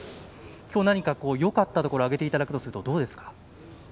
きょう何かよかったところを挙げていただくとどうですか。